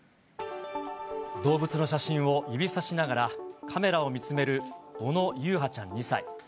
動物の写真を指さしながら、カメラを見つめる小野優陽ちゃん２歳。